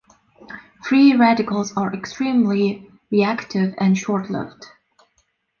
Free radicals are extremely reactive and short-lived.